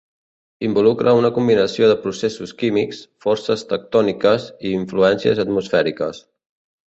Involucra una combinació de processos químics, forces tectòniques i influències atmosfèriques.